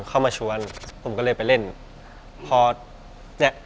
ก็อืมตอนแรกกะจะเล่นแค่เล่นเอาสนุก